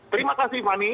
terima kasih van